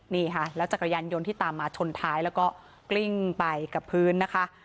นี่ค่ะแล้วจักรยานยนต์ที่ตามมาชนท้ายแล้วก็กลิ้งไปกับพื้นนะคะ